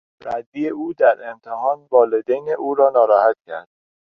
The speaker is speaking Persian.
ردی او در امتحان والدین او را ناراحت کرد.